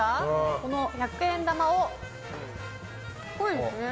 この百円玉をこうですね。